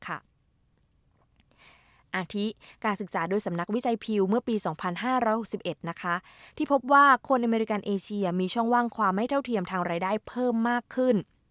อาทิการศึกษาโดยสำนักวิจัยพิวเมื่อปี๒๕๖๑ที่พบว่าคนอเมริกันเอเชียมีช่องว่างความไม่เท่าเทียมทางรายได้เพิ่มมากขึ้น